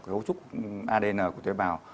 cấu trúc adn của tế bào